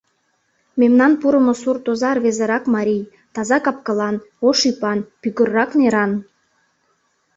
Мемнан пурымо сурт оза рвезырак марий, таза кап-кылан, ош ӱпан, пӱгыррак неран.